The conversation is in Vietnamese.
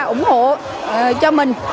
ủng hộ cho mình